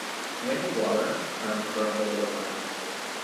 Wendy Waller, a member of the Labor Party.